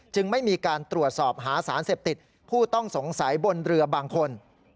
ไม่มีการตรวจสอบหาสารเสพติดผู้ต้องสงสัยบนเรือบางคน